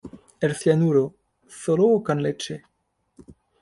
El cianuro ¿solo o con leche?